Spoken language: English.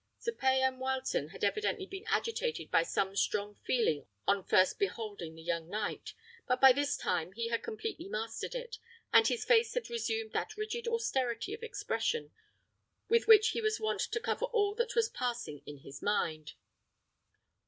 Sir Payan Wileton had evidently been agitated by some strong feeling on first beholding the young knight; but by this time he had completely mastered it, and his face had resumed that rigid austerity of expression with which he was wont to cover all that was passing in his mind.